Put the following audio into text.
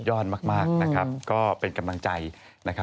ยอดมากนะครับก็เป็นกำลังใจนะครับ